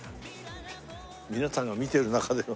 皆さんが見てる中での。